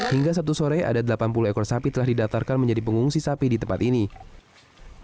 hingga sabtu sore ada delapan puluh ekor sapi telah didatarkan menjadi pengungsi sapi di tempat ini